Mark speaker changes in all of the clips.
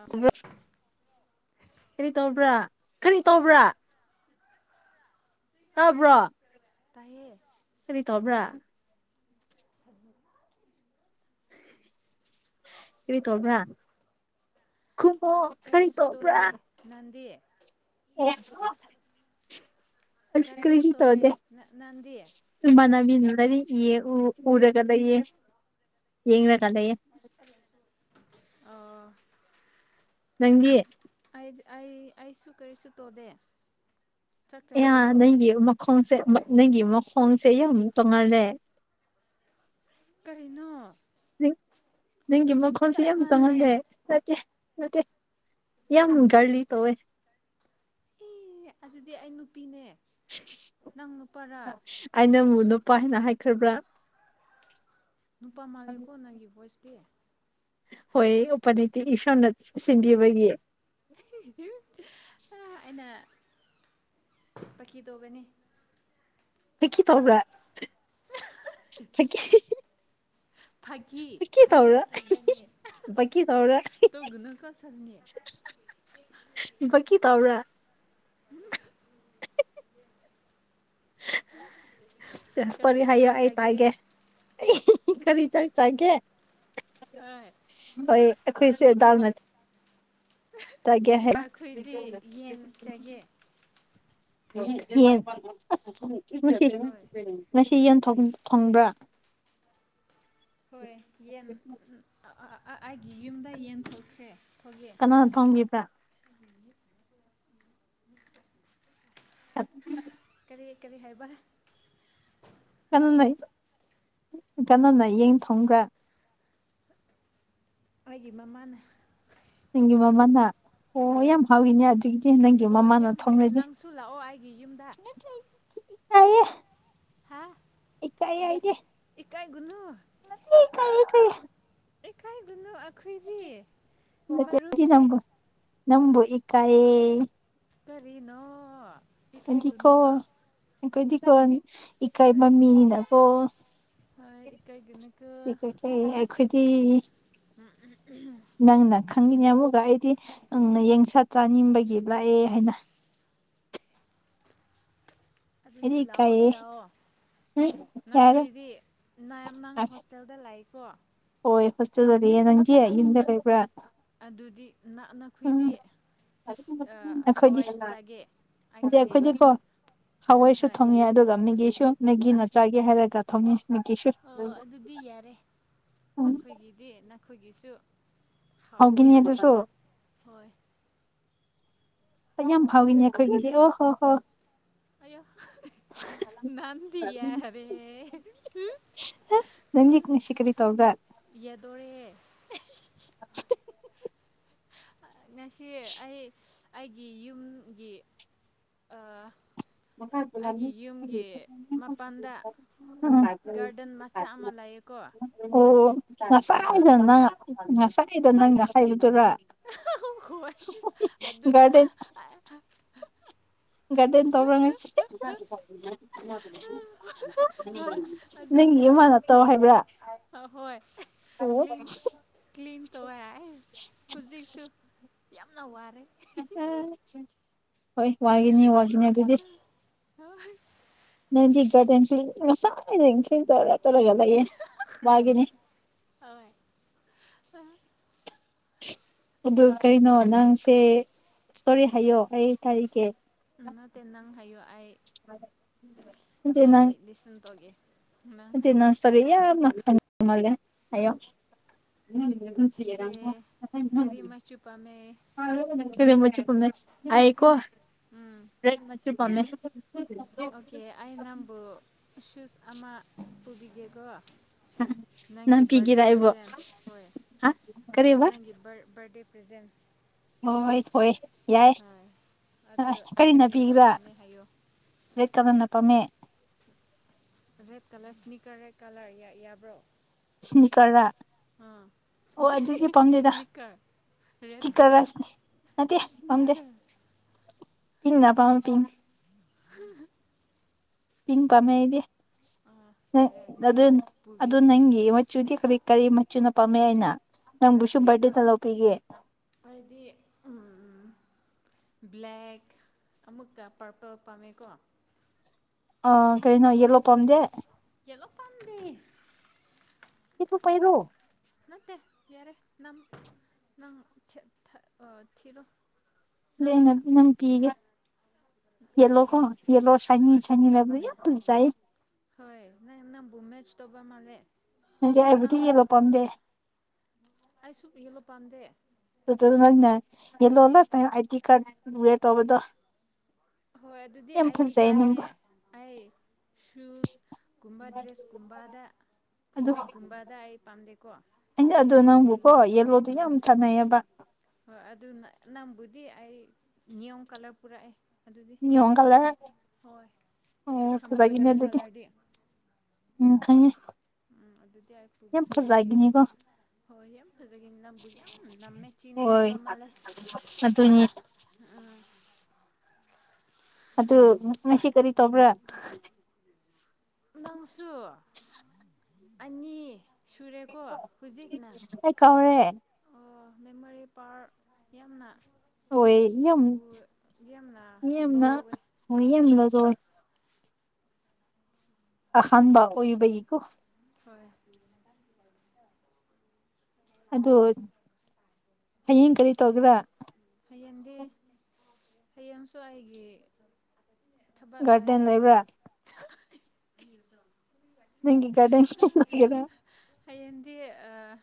Speaker 1: ꯑ
Speaker 2: ꯀꯔꯤ ꯇꯧꯕ꯭ꯔꯥ ꯀꯔꯤ ꯇꯧꯕ꯭ꯔꯥ ꯇꯥꯕ꯭ꯔꯣ
Speaker 1: ꯇꯌꯦ
Speaker 2: ꯀꯔꯤ ꯇꯧꯕ꯭ꯔꯥ
Speaker 1: ꯑꯖꯨꯛ
Speaker 2: ꯀꯔꯤ ꯇꯧꯕ꯭ꯔꯥ ꯈꯨꯝꯃꯣ ꯀꯔꯤ ꯇꯧꯕ꯭ꯔꯥ
Speaker 1: ꯅꯟꯗꯤ
Speaker 2: ꯑꯦ ꯑꯩꯁꯨ
Speaker 1: ꯀꯔꯤꯁꯨ ꯇꯣꯗꯦ ꯅ ꯅꯟꯗꯤ
Speaker 2: ꯏꯃꯟꯅꯕꯤ ꯂꯥꯏꯔꯤꯛ ꯑꯤꯌꯦ ꯎ ꯎꯔ ꯂꯩꯌꯦ ꯌꯦꯡꯔꯒ ꯂꯩꯌꯦ
Speaker 1: [unintelligible] ꯑ
Speaker 2: ꯅꯪꯗꯤ
Speaker 1: ꯑꯩ ꯑꯩ ꯑꯩꯁꯨ ꯀꯔꯤꯁꯨ ꯇꯣ ꯗꯦ
Speaker 2: ꯏꯌꯥ ꯅꯩꯏꯒꯤ ꯃꯈꯣꯡꯁꯦ ꯅꯪꯒꯤ ꯃꯈꯣꯡꯁꯦ ꯌꯥꯝ ꯇꯣꯡꯉꯥꯜꯂꯦ
Speaker 1: ꯀꯔꯤꯅꯣ
Speaker 2: ꯅꯪꯒꯤ ꯃꯈꯣꯟꯁꯦ
Speaker 1: ꯆꯞ
Speaker 2: ꯌꯥꯝ
Speaker 1: ꯃꯥꯟꯅꯩ
Speaker 2: ꯇꯣꯉꯥꯜꯂꯦ ꯅꯠꯇꯦ ꯅꯠꯇꯦ ꯌꯥꯝ ꯒꯥꯔꯂꯤ ꯇꯧꯋꯦ
Speaker 1: ꯏ ꯑꯗꯨꯗꯤ ꯑꯩ ꯅꯨꯄꯤꯅꯦ ꯅꯪ ꯅꯨꯄꯥꯔ
Speaker 2: ꯑꯩ ꯅꯪꯕꯨ ꯅꯨꯄꯥ ꯍꯥꯏꯅ ꯍꯥꯏꯈ꯭ꯔꯕ꯭ꯔ
Speaker 1: ꯅꯨꯄꯥ ꯃꯥꯂꯦꯀꯣ ꯅꯪꯒꯤ ꯕꯣꯏꯁ ꯇꯤ
Speaker 2: ꯍꯣꯏ ꯎꯄꯥꯢꯂꯩꯇꯦ ꯏꯁꯣꯔꯅ ꯁꯦꯝꯕꯤꯕꯒꯤ
Speaker 1: [unintelligible] ꯑꯩꯅ ꯄꯀꯤ ꯇꯧꯒꯅꯤ
Speaker 2: ꯐꯀꯤ ꯇꯧꯕ꯭ꯔꯥ ꯐꯀꯤ
Speaker 1: ꯐꯥꯒꯤ
Speaker 2: ꯄꯀꯤ
Speaker 1: ꯐꯥꯒꯤ
Speaker 2: ꯇꯧꯔ
Speaker 1: ꯇꯧꯕꯅꯤ
Speaker 2: [unintelligible] ꯕꯀꯤ ꯇꯧꯔ
Speaker 1: ꯇꯧꯒꯅꯨꯀꯣ ꯁꯖꯅꯤ
Speaker 2: [unintelligible] ꯕꯀꯤ ꯇꯧꯔꯥ
Speaker 1: ꯀꯔꯤ
Speaker 2: ꯔꯁꯇꯣꯔꯤ ꯍꯥꯏꯌꯣ
Speaker 1: ꯍꯤꯟꯖꯥꯡ
Speaker 2: ꯑꯩ
Speaker 1: ꯆꯥꯒꯦ
Speaker 2: ꯇꯥꯏꯒꯦ ꯑꯩ ꯀꯔꯤ ꯆꯛ ꯆꯥꯒꯦ
Speaker 1: ꯍꯣꯢ
Speaker 2: ꯕꯩ ꯑꯩꯈꯣꯏꯁꯦ ꯗꯗꯥꯜꯅꯠ ꯇꯥꯒꯦ ꯍꯥꯏ
Speaker 1: ꯑꯩꯈꯣꯏꯗꯤ ꯌꯦꯟ ꯆꯥꯒꯦ
Speaker 2: ꯌꯦꯟ
Speaker 1: ꯍꯣꯏ
Speaker 2: [unintelligible] ꯉꯁꯤ ꯌꯦꯟ ꯊꯣꯡ ꯊꯣꯡꯕ꯭ꯔꯥ
Speaker 1: ꯍꯣꯏ ꯌꯦꯟ [unintelligible] ꯑ ꯑ ꯑ ꯑꯩꯒꯤ ꯌꯨꯝꯗ ꯌꯦꯟ ꯊꯣꯛꯈ꯭ꯔꯦ ꯊꯣꯛꯌꯦ
Speaker 2: ꯀꯅꯥꯅ ꯊꯣꯡꯕꯤꯕ꯭ꯔꯥ [unintelligible]
Speaker 1: ꯀꯔꯤ ꯀꯔꯤ ꯍꯥꯏꯕ
Speaker 2: ꯀꯟꯅꯩ ꯀꯅꯅꯥ ꯌꯦꯡ ꯊꯣꯡꯕ꯭ꯔꯥ
Speaker 1: ꯑꯣꯏꯒꯤ ꯃꯃꯥꯅ
Speaker 2: ꯅꯪꯒꯤ ꯃꯃꯥꯅ ꯑꯣ
Speaker 1: ꯍꯣꯏ
Speaker 2: ꯌꯥꯝ ꯍꯥꯎꯋꯤꯅꯦ ꯑꯗꯨꯒꯤꯗꯤ ꯅꯪꯒꯤ
Speaker 1: ꯍꯣꯏ
Speaker 2: ꯃꯃꯥꯅ
Speaker 1: ꯌꯥꯝ ꯍꯥꯎꯋꯦ
Speaker 2: ꯊꯣꯡꯔꯗꯤ
Speaker 1: ꯅꯪꯁꯨ ꯂꯥꯛꯑꯣ ꯑꯩꯒꯤ ꯌꯨꯝꯗ
Speaker 2: ꯑꯥꯏꯌꯦ
Speaker 1: ꯍꯥꯥ
Speaker 2: ꯏ ꯀꯥꯏ ꯌꯥꯏꯗꯦ
Speaker 1: ꯏꯀꯥꯏꯒꯨꯅꯨ
Speaker 2: [unintelligible]
Speaker 1: ꯏꯀꯥꯏꯒꯨꯅꯨ ꯑꯈꯣꯏꯗꯤ ꯃꯔꯨꯞꯅꯦ
Speaker 2: ꯅꯝꯕꯨ ꯏꯀꯥꯢꯌꯦ
Speaker 1: ꯀꯔꯤꯅꯣ
Speaker 2: ꯑꯦꯟꯗꯤꯀꯣ
Speaker 1: ꯏꯀꯥꯏꯒꯅꯨ
Speaker 2: ꯀꯣꯏꯗꯤ ꯈꯣꯟ
Speaker 1: ꯍꯣꯏ
Speaker 2: ꯏꯀꯥꯏꯕ ꯃꯤꯅꯤꯅꯀꯣ
Speaker 1: ꯍꯣꯏ ꯏꯀꯥꯏꯒꯅꯨꯀꯣ
Speaker 2: [unintelligible] ꯈꯣꯏꯗꯤ
Speaker 1: [unintelligible]
Speaker 2: ꯅꯪꯅ ꯈꯪꯉꯤꯅꯦ ꯑꯃꯨꯛꯀ ꯑꯩꯗꯤ ꯑꯪꯅ ꯌꯦꯡꯁꯥ ꯆꯥꯅꯤꯡꯕꯒꯤ ꯂꯥꯑꯦ ꯍꯥꯏꯅ
Speaker 1: ꯑꯗꯨꯗꯤ
Speaker 2: ꯑꯩꯗꯤ
Speaker 1: ꯂꯥꯑꯣ
Speaker 2: ꯏꯀꯥꯏꯌꯦ
Speaker 1: ꯆꯥꯎꯑꯣ
Speaker 2: ꯌꯥꯔꯦ
Speaker 1: ꯅꯈꯣꯏꯗꯤ ꯅꯌꯥꯝ ꯅꯪ ꯍꯣꯁꯇꯦ ꯇꯦꯜꯗ ꯂꯩꯀꯣ
Speaker 2: ꯍꯣꯏ ꯍꯣꯁꯇꯦꯜꯗ ꯂꯩꯌꯦ ꯅꯪꯗꯤ
Speaker 1: ꯎꯝ
Speaker 2: ꯌꯨꯝꯗ ꯂꯩꯕ꯭ꯔꯥ
Speaker 1: ꯑꯗꯨꯗꯤ ꯅ
Speaker 2: ꯎꯝ
Speaker 1: ꯅꯈꯣꯏꯗꯤ
Speaker 2: ꯑꯈꯣꯏꯗꯤ
Speaker 1: ꯍꯋꯥꯏ ꯆꯥꯒꯦ ꯑꯩ
Speaker 2: ꯏꯟꯇꯦ
Speaker 1: ꯈꯪꯉꯦ
Speaker 2: ꯑꯈꯣꯏꯗꯤꯀꯣ ꯍꯋꯥꯏꯁꯨ
Speaker 1: ꯍꯣꯏ
Speaker 2: ꯊꯣꯡꯉꯦ ꯑꯗꯨꯒ ꯃꯤꯒꯤꯁꯨ ꯃꯦꯒꯤꯅꯆꯥꯥꯒꯦ ꯍꯥꯏꯔꯒ ꯊꯣꯡꯉꯦ ꯃꯦꯒꯤꯁꯨ
Speaker 1: ꯑ ꯑꯗꯨꯗꯤ ꯌꯥꯔꯦ
Speaker 2: ꯎꯝ
Speaker 1: ꯅꯈꯣꯏꯒꯤꯗꯤ ꯅꯈꯣꯏꯒꯤꯁꯨ ꯊꯥꯎꯕ
Speaker 2: ꯍꯥꯎꯒꯤꯅꯤ
Speaker 1: ꯃꯥꯜꯂꯦ
Speaker 2: ꯑꯗꯨꯁꯨ
Speaker 1: ꯊꯣꯏ
Speaker 2: ꯌꯥꯝ ꯐꯥꯎꯋꯤꯅꯦ ꯈꯣꯏꯒꯤꯗꯤ ꯑꯣ ꯍꯣ ꯍꯣ
Speaker 1: ꯑꯩꯌꯥ ꯅꯥꯟꯗꯤ ꯌꯥꯔꯦ
Speaker 2: ꯅꯪꯗꯤ ꯉꯁꯤ ꯀꯔꯤ ꯇꯧꯕ꯭ꯔꯥ
Speaker 1: ꯌꯗꯣꯔꯦ
Speaker 2: [unintelligible]
Speaker 1: ꯉꯁꯤ ꯑꯩ ꯑꯩꯒꯤ ꯌꯨꯝꯒꯤ ꯑꯥ
Speaker 2: [unintelligible]
Speaker 1: ꯃꯄꯥꯟꯗ ꯒꯥꯔꯗꯦꯟ ꯃꯆꯥ ꯑꯃ ꯂꯩꯌꯦꯀꯣ
Speaker 2: ꯎꯝ ꯑꯣ
Speaker 1: ꯍꯣꯏ
Speaker 2: ꯉꯁꯥꯏꯗ
Speaker 1: ꯑꯗꯨꯗ
Speaker 2: ꯅꯪ ꯉꯁꯥꯏꯗ ꯅꯪꯅ ꯍꯥꯏꯕꯗꯨꯔꯥ
Speaker 1: ꯍꯣꯏ ꯑꯗꯨꯗ
Speaker 2: ꯒꯥꯔꯗꯦꯟ ꯒꯥꯔꯗꯦꯟ ꯇꯧꯔ ꯉꯁꯤ
Speaker 1: ꯍꯣꯏ
Speaker 2: ꯅꯪꯒꯤ ꯏꯃꯥꯅ ꯇꯧ ꯍꯥꯏꯕ꯭ꯔꯥ
Speaker 1: ꯑ ꯍꯣꯏ
Speaker 2: ꯑꯣ
Speaker 1: ꯀ꯭ꯂꯤꯟ ꯀ꯭ꯂꯤꯟ ꯇꯧꯋꯦ ꯍꯥꯏ ꯍꯨꯖꯤꯛꯁꯨ ꯌꯥꯝꯅ ꯋꯥꯔꯦ
Speaker 2: ꯍꯣꯏ ꯋꯥꯒꯅꯤ ꯋꯥꯒꯅꯤ ꯑꯗꯨꯗꯤ
Speaker 1: ꯍꯣꯏ
Speaker 2: ꯅꯗꯤꯒꯔꯗꯦꯟꯁꯤ ꯉꯁꯥꯏꯅ ꯏꯁꯤꯡ ꯇꯧꯔ ꯇꯧꯔꯒ ꯂꯩꯌꯦ ꯃꯥꯅꯦ
Speaker 1: ꯊꯣꯏ
Speaker 2: ꯑꯗꯨ ꯀꯩꯅꯣ ꯅꯪꯁꯦ ꯏꯁꯇꯣꯔꯤ ꯍꯥꯏꯌꯣ ꯑꯩ ꯀꯔꯤꯒꯦ
Speaker 1: ꯎꯪ ꯅꯠꯇꯦ ꯅꯪ ꯍꯥꯏꯌꯨ ꯑꯩ
Speaker 2: ꯅꯠꯇꯦ
Speaker 1: ꯑꯩ
Speaker 2: ꯅꯪ
Speaker 1: ꯂꯤꯁꯟ ꯇꯧꯒꯦ
Speaker 2: ꯅꯠꯇꯦ ꯅꯪ ꯏꯁꯇꯣꯔꯤ ꯌꯥꯝꯅ ꯈꯪꯕ ꯃꯥꯜꯂꯦ ꯍꯥꯏꯌꯣ
Speaker 1: ꯑꯣꯀꯦ ꯀꯔꯤ ꯃꯆꯨ ꯄꯥꯝꯃꯦ
Speaker 2: [unintelligible] ꯀꯩꯅꯣ ꯃꯆꯨ ꯄꯥꯝꯃꯦ ꯑꯩꯀꯣ
Speaker 1: ꯎꯝ
Speaker 2: ꯔꯦꯗ ꯃꯆꯨ ꯄꯥꯝꯃꯦ
Speaker 1: ꯑꯣꯀꯦ ꯑꯩ ꯅꯝꯕꯨ ꯁꯨꯁ ꯑꯃ ꯄꯨꯕꯤꯒꯦꯀꯣ ꯅꯪꯒꯤ
Speaker 2: ꯅꯪ
Speaker 1: ꯕꯥꯔꯗꯦ
Speaker 2: ꯄꯤꯒꯦꯔꯥ ꯑꯩꯕꯨ
Speaker 1: ꯄ꯭ꯔꯖꯦꯟ ꯍꯣꯏ
Speaker 2: ꯍꯥ ꯀꯔꯤꯕ
Speaker 1: ꯅꯪꯒꯤ ꯕꯔ ꯕꯔꯗꯦ ꯄ꯭ꯔꯖꯦꯟ
Speaker 2: ꯍꯣꯏ ꯍꯣꯏ
Speaker 1: ꯍꯣꯏ
Speaker 2: ꯌꯥꯏꯌꯦ
Speaker 1: ꯑꯗꯨ
Speaker 2: ꯀꯔꯤꯅ
Speaker 1: ꯀꯔꯤ ꯃꯆꯨ
Speaker 2: ꯄꯤꯕ꯭ꯔꯥ
Speaker 1: ꯄꯥꯝꯃꯦ ꯍꯥꯏꯌꯣ
Speaker 2: ꯔꯦꯠ ꯀꯗꯝꯅ ꯄꯝꯃꯦ
Speaker 1: red colour sneaker red colour ꯌꯥꯕ꯭ꯔꯣ
Speaker 2: ꯏꯁꯅꯤꯀꯔꯔꯥ
Speaker 1: ꯑ ꯏꯁꯅꯤ ꯏꯁꯅꯤꯀꯔ
Speaker 2: ꯏꯁꯇꯤꯀꯔ ꯔꯥꯏꯁꯅꯤ ꯅꯠꯇꯦ ꯄꯥꯝꯗꯦ ꯄꯤꯡꯅ ꯄꯥꯝ ꯄꯤꯡ
Speaker 1: [inaudible]
Speaker 2: ꯄꯤꯡ ꯄꯥꯝꯃꯦ ꯑꯩꯗꯤ ꯑꯗꯨ ꯑꯗꯨ
Speaker 1: ꯄꯨꯕꯤꯒꯦ
Speaker 2: ꯅꯪꯒꯤ ꯃꯆꯨꯗꯤ ꯀꯔꯤ ꯀꯔꯤ ꯃꯆꯨꯅ ꯄꯥꯝꯃꯦ ꯍꯥꯏꯅ ꯅꯪꯕꯨꯁꯨ ꯕꯥꯔꯗꯦꯗ ꯂꯧꯕꯤꯒꯦ
Speaker 1: ꯑꯩꯗꯤ ꯎꯝ ꯕ꯭ꯂꯦꯛ ꯑꯃꯨꯛꯀ ꯄꯔꯄꯜ ꯄꯥꯝꯃꯦꯀꯣ
Speaker 2: ꯑꯥ ꯀꯩꯅꯣ ꯌꯦꯂꯣ ꯄꯥꯝꯗꯦ
Speaker 1: ꯌꯦꯂꯣ ꯄꯥꯟꯕꯤ
Speaker 2: ꯑꯩꯕꯨ ꯄꯩꯔꯣ
Speaker 1: ꯅꯠꯑꯦ ꯌꯥꯔꯦ ꯅꯪ ꯅꯪ ꯊ ꯊ ꯊꯤꯔꯣ
Speaker 2: ꯂꯩ
Speaker 1: ꯅꯪ
Speaker 2: [unintelligible] ꯅ ꯅꯪ ꯄꯤꯒꯦ ꯌꯦꯂꯣ ꯀꯣ ꯌꯦꯜꯂꯣ ꯁꯥꯢꯅꯤꯡ ꯌꯥꯝ ꯐꯖꯩ
Speaker 1: ꯍꯣꯏ ꯅꯪꯕꯨ ꯃꯦꯖ ꯇꯧꯕ ꯃꯥꯂꯦ
Speaker 2: ꯑꯩꯕꯨꯗꯤ ꯌꯦꯂꯣ ꯄꯝꯗꯦ
Speaker 1: ꯑꯩꯁꯨ ꯌꯦꯜꯂꯣ ꯄꯥꯝꯗꯦ
Speaker 2: [unintelligible] [unintelligible] ꯇꯧꯕꯗꯣ
Speaker 1: ꯍꯣꯏ ꯑꯗꯨꯗꯤ
Speaker 2: ꯌꯥꯝ
Speaker 1: ꯑꯥꯏ ꯗꯤ
Speaker 2: ꯐꯖꯩ
Speaker 1: ꯀꯥꯔꯠꯅꯦ
Speaker 2: ꯅꯪꯕꯨ
Speaker 1: ꯑꯩ ꯁꯨꯁ ꯀꯨꯝꯕ ꯗ꯭ꯔꯦꯁ ꯀꯨꯝꯕꯗ
Speaker 2: ꯑꯗꯨ
Speaker 1: ꯐꯨꯔꯤꯠ ꯒꯨꯝꯕꯗ ꯑꯩ ꯄꯥꯝꯗꯦꯀꯣ
Speaker 2: ꯑꯩꯅ ꯑꯗꯣ ꯅꯪꯕꯨꯀꯣ
Speaker 1: ꯌꯦꯜꯂꯣ
Speaker 2: ꯌꯦꯂꯣꯗꯣ ꯌꯥꯝ ꯆꯥꯟꯅꯩꯑꯦꯕ
Speaker 1: ꯍꯣꯏ ꯑꯗꯨ ꯅꯪꯕꯨꯗꯤ ꯑꯩ ꯅꯤꯌꯨ ꯀꯥꯂꯔ ꯄꯨꯔꯛꯑꯦ ꯑꯗꯨꯗꯤ
Speaker 2: ꯅꯤꯌꯨꯝ ꯀꯂꯔ
Speaker 1: ꯍꯣꯏ
Speaker 2: ꯑꯣ
Speaker 1: ꯊꯝꯕ꯭ꯔꯣ
Speaker 2: ꯐꯖꯒꯅꯤ
Speaker 1: ꯅꯤꯌꯣꯝ
Speaker 2: ꯑꯗꯨꯗꯤ
Speaker 1: ꯀꯂꯔꯗꯤ
Speaker 2: ꯎꯝ ꯈꯪꯉꯦ
Speaker 1: ꯎꯝ ꯑꯗꯨꯗꯤ ꯑꯩ ꯄꯨ
Speaker 2: ꯌꯥꯝ
Speaker 1: ꯄꯨꯕꯤꯒꯦ
Speaker 2: ꯐꯖꯒꯤꯅꯤꯀꯣ
Speaker 1: ꯍꯣꯏ ꯌꯥꯝ ꯐꯖꯒꯅꯤ ꯅꯪꯕꯨ ꯌꯥꯝ ꯅꯝꯃꯦ ꯆꯤꯟ ꯇꯧꯕ ꯃꯥꯜꯂꯦ
Speaker 2: ꯑꯗꯨꯅꯦ
Speaker 1: ꯎꯝ
Speaker 2: ꯑꯗꯨ ꯉꯁꯤ ꯀꯔꯤ ꯇꯧꯕ꯭ꯔꯥ
Speaker 1: ꯅꯪꯁꯨ ꯑꯅꯤ ꯁꯨꯔꯦ ꯀꯣ ꯍꯧꯖꯤꯛꯅ
Speaker 2: ꯑꯩ ꯀꯥꯎꯔꯦ
Speaker 1: ꯑꯣ ꯃꯦꯃꯣꯔꯤ ꯄꯋꯥꯔ ꯌꯥꯝꯅ
Speaker 2: ꯍꯣꯏ ꯌꯥꯝ
Speaker 1: ꯎ ꯌꯥꯝꯅ ꯂꯣ
Speaker 2: ꯌꯥꯝꯅ
Speaker 1: ꯎꯑꯦ
Speaker 2: ꯍ [unintelligible] [unintelligible] ꯌꯥꯝꯅꯁꯨ ꯑꯍꯟꯕ ꯑꯣꯏꯕꯒꯤ ꯀꯣ
Speaker 1: ꯍꯣꯏ
Speaker 2: ꯑꯗꯣ ꯍꯌꯦꯡ ꯀꯔꯤ ꯇꯧꯒꯦꯔꯥ
Speaker 1: ꯍꯌꯦꯡꯗꯤ ꯍꯌꯦꯡꯁꯨ ꯑꯩꯒꯤ ꯊꯕꯛ
Speaker 2: ꯒꯔꯗꯦꯟ ꯂꯩꯕ꯭ꯔꯥ
Speaker 1: ꯌꯦꯗꯣ [unintelligible]
Speaker 2: ꯅꯪ ꯒꯤ ꯒꯔꯗꯦꯟ [unintelligible]
Speaker 1: ꯍꯌꯦꯡꯗꯤ ꯑꯥ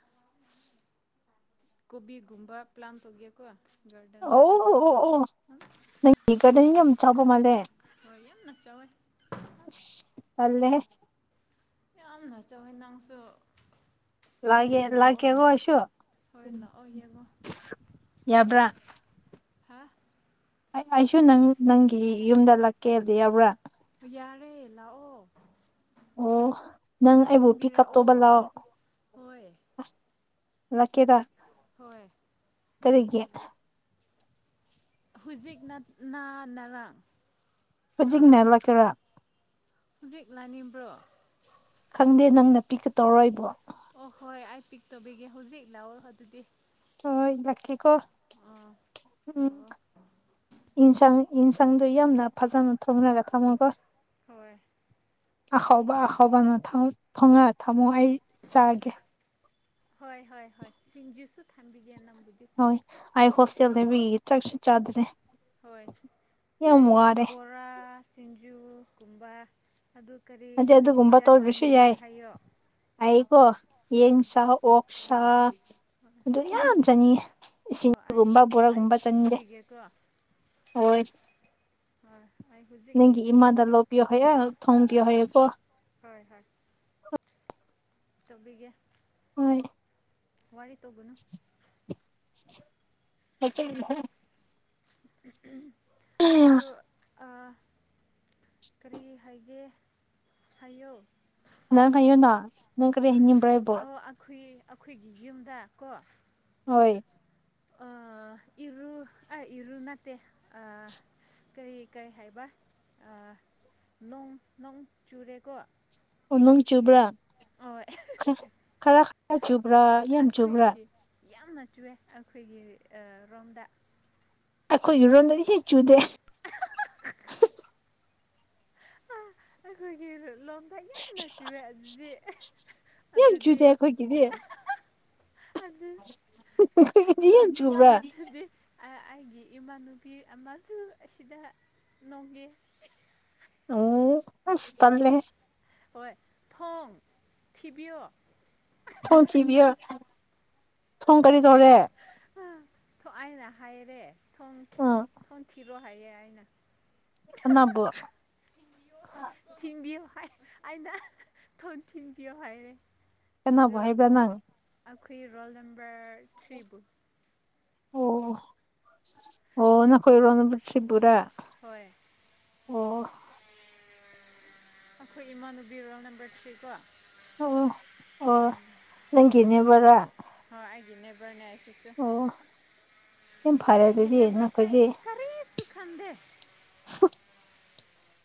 Speaker 1: ꯀꯣꯕꯤꯒꯨꯝꯕꯥ ꯄ꯭ꯂꯥꯟ ꯇꯧꯒꯦꯀꯣ ꯒꯔꯗꯦꯟꯗ
Speaker 2: ꯑꯣ ꯑꯣ ꯑꯣ ꯅꯪꯒꯤ ꯒꯔꯗꯦꯟ ꯌꯥꯝ ꯆꯧꯕ ꯃꯜꯂꯦ
Speaker 1: ꯍꯣꯏ ꯌꯥꯝ ꯅ ꯆꯧꯋꯦ
Speaker 2: ꯑꯁ ꯇꯜꯂꯦꯍꯦ
Speaker 1: ꯌꯥꯝꯅ ꯆꯧꯎꯋꯦ ꯅꯪꯁꯨ
Speaker 2: ꯂꯥꯛꯒꯦ
Speaker 1: ꯂꯥꯛꯑꯣ
Speaker 2: ꯂꯥꯛꯀꯦꯀꯣ ꯑꯩꯁꯨ
Speaker 1: ꯍꯣꯏ ꯂꯥꯛꯑꯣ ꯌꯦꯡꯉꯣ
Speaker 2: ꯌꯥꯕ꯭ꯔꯥ
Speaker 1: ꯍꯥꯥ
Speaker 2: ꯑꯩ ꯑꯩꯁꯨ ꯅꯪ ꯅꯪꯒꯤ ꯌꯨꯝꯗ ꯂꯥꯛꯀꯦꯗꯤ ꯌꯥꯕ꯭ꯔꯥ
Speaker 1: ꯌꯥꯔꯦ ꯂꯥꯛꯑꯣ
Speaker 2: ꯑꯣ ꯅꯪ ꯑꯩꯕꯨ ꯄꯤꯛ ꯎꯞ ꯇꯧꯕ
Speaker 1: ꯂꯩꯁꯤꯟꯕꯤꯔꯛꯑꯣ
Speaker 2: ꯂꯑꯣ
Speaker 1: ꯍꯣꯏ
Speaker 2: ꯂꯀꯦꯔ
Speaker 1: ꯍꯣꯏ
Speaker 2: ꯀꯔꯤꯒꯤ
Speaker 1: ꯍꯨꯖꯤꯛ ꯅꯠ ꯅꯅꯔꯥ
Speaker 2: ꯍꯧꯖꯤꯛꯅ ꯂꯥꯛꯀꯦꯔꯥ
Speaker 1: ꯍꯧꯖꯤꯛ ꯂꯥꯅꯤꯝꯕ꯭ꯔꯣ
Speaker 2: ꯈꯪꯗꯦ ꯅꯪꯅ ꯄꯤꯛꯀ ꯇꯧꯔ ꯑꯩꯕꯨ
Speaker 1: ꯑꯣ ꯍꯣꯏ ꯑꯩ ꯄꯤꯛ ꯇꯧꯕꯤꯒꯦ ꯍꯧꯖꯤꯛ ꯂꯥꯛꯑꯣ ꯑꯗꯨꯗꯤ
Speaker 2: ꯍꯣꯏ ꯂꯥꯛꯀꯦꯀꯣ
Speaker 1: ꯑꯥ
Speaker 2: ꯎꯝ
Speaker 1: ꯂꯥꯛꯑꯣ
Speaker 2: ꯏꯟꯁꯥꯡ ꯏꯟꯁꯥꯡꯗꯣ ꯌꯥꯝꯅ ꯐꯖꯅ ꯊꯣꯡꯔꯒ ꯊꯝꯃꯣꯀꯣ
Speaker 1: ꯍꯣꯏ
Speaker 2: ꯑꯍꯥꯎꯕ ꯑꯍꯥꯎꯕ [unintelligible] ꯊꯣꯡꯉꯒ ꯊꯝꯃꯣ ꯑꯩ ꯆꯥꯔꯒꯦ
Speaker 1: ꯍꯣꯏ ꯍꯣꯏ ꯍꯣꯏ ꯁꯤꯖꯨꯁꯨ ꯊꯝꯕꯤꯒꯦ ꯅꯪꯕꯨꯗꯤ
Speaker 2: ꯍꯣꯏ ꯑꯩ ꯍꯣꯁꯇꯦꯜꯗꯕꯤ ꯆꯥꯛꯁꯨ ꯆꯥꯗ꯭ꯔꯦ
Speaker 1: ꯍꯣꯏ
Speaker 2: ꯌꯥꯝ
Speaker 1: ꯑꯩ
Speaker 2: ꯋꯥꯔꯦ
Speaker 1: ꯕꯣꯔꯥ ꯁꯤꯡꯖꯨ ꯒꯨꯝꯕ ꯑꯗꯨ ꯀꯔꯤ
Speaker 2: ꯑꯗꯩ
Speaker 1: ꯀꯔꯤ
Speaker 2: ꯑꯗꯨꯒꯨꯝꯕ
Speaker 1: ꯍꯤꯟꯖꯥꯡ
Speaker 2: ꯇꯧꯗ꯭ꯔꯁꯨ
Speaker 1: ꯆꯪꯅꯤꯡꯅꯤ
Speaker 2: ꯌꯥꯏ
Speaker 1: ꯍꯥꯏꯌꯣ
Speaker 2: ꯑꯩꯀꯣ
Speaker 1: ꯑꯥ
Speaker 2: ꯌꯦꯟꯁꯥ ꯑꯣꯛ ꯁꯥ
Speaker 1: ꯍꯣꯏ
Speaker 2: ꯑꯗꯨ ꯌꯥꯝ ꯆꯥꯅꯤꯡꯉꯦ
Speaker 1: ꯑꯣ ꯑꯩ
Speaker 2: ꯏꯁꯤꯡꯒꯨꯝꯕ
Speaker 1: ꯑꯩ
Speaker 2: ꯕꯣꯔꯥꯒꯨꯝꯕ ꯆꯥꯅꯤꯛꯗꯦ
Speaker 1: ꯊꯤꯕꯤꯒꯦꯀꯣ
Speaker 2: ꯍꯣꯏ
Speaker 1: [unintelligible]
Speaker 2: ꯅꯪꯒꯤ ꯏꯃꯥꯗ ꯂꯧꯕꯤꯌꯣꯍꯌꯣ ꯊꯣꯡ ꯕꯤꯌꯣ ꯍꯥꯏꯌꯨꯀꯣ
Speaker 1: ꯍꯣꯏ ꯍꯣꯏ ꯇꯧꯕꯤꯒꯦ
Speaker 2: ꯍꯣꯏ
Speaker 1: ꯋꯥꯔꯤ ꯇꯧꯒꯅꯨ
Speaker 2: [unintelligible]
Speaker 1: ꯑꯗꯨ ꯑꯥ ꯀꯔꯤ ꯍꯥꯏꯒꯦ ꯍꯥꯏꯌꯣ
Speaker 2: ꯅꯪ [unintelligible] ꯅꯪ ꯀꯔꯤ ꯍꯥꯏꯅꯤꯡꯕ꯭ꯔ ꯏꯕꯣ
Speaker 1: ꯑꯣ ꯑꯩꯈꯣꯏ ꯑꯩꯈꯣꯏꯒꯤ ꯌꯨꯝꯗ ꯀꯣ
Speaker 2: ꯍꯣꯏ
Speaker 1: ꯑ ꯏꯔꯨ ꯑꯏ ꯏꯔꯨ ꯅꯠꯇꯦ ꯑꯥ ꯀꯔꯤ ꯀꯔꯤ ꯍꯥꯏꯕ ꯑꯥ ꯅꯣꯡ ꯅꯣꯡ ꯆꯨꯔꯦꯀꯣ
Speaker 2: ꯎꯅꯨꯡ ꯆꯨꯕ꯭ꯔꯥ
Speaker 1: ꯍꯣꯏ
Speaker 2: ꯈꯔ ꯈꯔ ꯆꯨꯕ꯭ꯔꯥ ꯌꯥꯝ ꯆꯨꯕ꯭ꯔꯥ
Speaker 1: ꯑꯩꯈꯣꯏꯒꯤ ꯌꯥꯝꯅ ꯆꯨꯑꯦ ꯑꯩꯈꯣꯏꯒꯤ ꯑ ꯔꯣꯝꯗ
Speaker 2: ꯑꯩꯈꯣꯏꯒꯤꯔꯣꯝꯗꯗꯤ ꯍꯦ ꯆꯨꯗꯦ
Speaker 1: ꯑꯥꯈꯣꯏꯒꯤ ꯂꯣꯝ ꯌꯥꯝꯅ ꯆꯨꯑꯦ ꯑꯗꯨꯗꯤ
Speaker 2: ꯌꯥꯝ
Speaker 1: ꯑꯗꯨꯗꯤ
Speaker 2: ꯆꯨꯗꯦ ꯑꯩꯈꯣꯏꯒꯤꯗꯤ
Speaker 1: ꯑꯗꯨ
Speaker 2: ꯑꯩꯈꯣꯏꯒꯤꯗꯤ
Speaker 1: ꯑ
Speaker 2: ꯌꯥꯝ ꯆꯨꯕ꯭ꯔꯥ
Speaker 1: ꯑꯗꯨꯗꯤ ꯑꯥ ꯑꯩꯒꯤ ꯏꯃꯥꯟꯅꯨꯄꯤ ꯑꯃꯁꯨ ꯑꯁꯤꯗ ꯅꯣꯡꯉꯦ
Speaker 2: ꯑꯣ ꯑꯁ ꯇꯜꯂꯦꯍꯦ
Speaker 1: ꯍꯣꯏ ꯊꯣꯡ ꯊꯤꯕꯤꯌꯣ
Speaker 2: ꯊꯣꯡ ꯊꯤꯕꯤꯌ ꯊꯣꯡ ꯀꯔꯤ ꯇꯧꯔꯦ
Speaker 1: ꯑꯩꯅ ꯍꯥꯏꯔꯦ ꯊꯣꯡ
Speaker 2: ꯑꯥ
Speaker 1: ꯊꯣꯡ ꯊꯤꯔꯣ ꯍꯥꯏꯌꯦ ꯑꯩꯅ꯫
Speaker 2: ꯀꯅꯥꯕꯨ?
Speaker 1: ꯊꯤꯟꯕꯤꯌꯣ ꯍꯥꯏ ꯑꯩꯅ ꯊꯣꯡ ꯊꯤꯟꯕꯤꯌꯣ ꯍꯥꯏꯔꯦ꯫ ꯑꯗꯨ
Speaker 2: ꯀꯅꯥꯕꯨ ꯍꯥꯏꯕ꯭ꯔꯥ ꯅꯪ
Speaker 1: ꯑꯈꯨꯏ ꯔꯣꯜ ꯅꯝꯕꯔ ꯊ꯭ꯔꯤꯕꯨ
Speaker 2: ꯑꯣ ꯑꯣ ꯅꯈꯣꯏ ꯔꯣꯜꯅꯝꯕꯔ ꯊ꯭ꯔꯤ ꯕꯨꯔꯥ
Speaker 1: ꯍꯣꯏ ꯑꯈꯣꯏ ꯏꯃꯥꯟꯅꯨꯕꯤ ꯔꯣꯜ ꯅꯝꯕꯔ ꯊ꯭ꯔꯤ ꯀꯣ
Speaker 2: ꯑꯣ ꯑꯣ ꯅꯪꯒꯤ ꯅꯦꯕꯔꯔꯥ?
Speaker 1: ꯍꯣꯏ ꯑꯩꯒꯤ ꯅꯦꯕꯔꯅꯦ ꯑꯁꯤ
Speaker 2: ꯌꯥꯝ ꯐꯔꯦ ꯑꯗꯨꯗꯤ
Speaker 1: ꯑꯩꯒꯤꯅꯦꯕꯔ ꯀꯩ
Speaker 2: ꯅꯈꯣꯏꯗꯤ
Speaker 1: ꯀꯔꯤꯁꯨ ꯈꯪꯗꯦ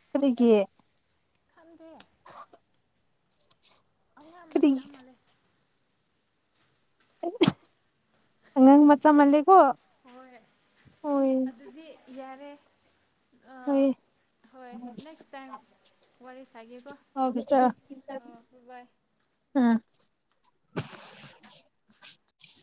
Speaker 2: ꯀꯔꯤꯒꯤ?
Speaker 1: ꯈꯪꯗꯦ ꯑꯉꯥꯡ ꯃꯆꯥ
Speaker 2: ꯀꯔꯤꯒꯤ
Speaker 1: ꯃꯥꯂꯦ
Speaker 2: ꯑꯉꯥꯡ ꯃꯆꯥ ꯃꯥꯜꯂꯦꯀꯣ
Speaker 1: ꯍꯣꯏ
Speaker 2: ꯍꯣꯏ
Speaker 1: ꯑꯗꯨꯗꯤ ꯌꯥꯔꯦ꯫ ꯑꯥ
Speaker 2: ꯍꯣꯏ
Speaker 1: ꯍꯣꯏ ꯅꯦꯛꯁ ꯇꯥꯏꯝ ꯋꯥꯔꯤ ꯁꯥꯒꯦꯀꯣ꯫
Speaker 2: ꯑ ꯆ
Speaker 1: ꯑ ꯕ ꯕꯥꯏ
Speaker 2: ꯑ